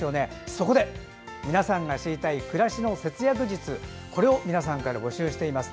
そこで、皆さんが知りたい暮らしの節約術を募集しています。